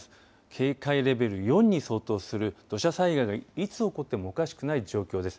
警戒レベル４に相当する土砂災害がいつ起こってもおかしくない状況です。